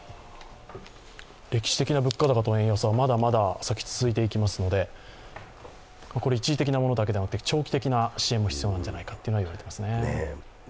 歴史的な物価高と円安はまだまだ先続いていきますので、一時的なものだけではなくて長期的な支援も必要なんじゃないかと言われていますね。